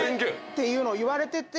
ていうのを言われてて。